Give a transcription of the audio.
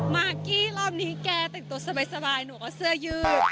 มากกี้รอบนี้แกแต่งตัวสบายหนูก็เสื้อยืด